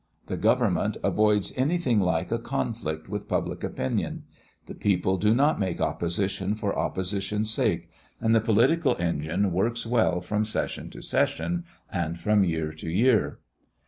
The government avoids anything like a conflict with public opinion; the people do not make opposition for opposition's sake, and the political engine works well from session to session and from year to year.